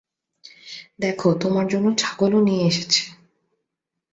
দেখো, তোমার জন্য ছাগলও নিয়ে এসেছে।